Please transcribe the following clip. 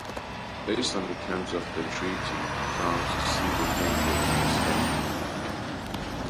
Based on the terms of the treaty, France ceded Naples to Spain.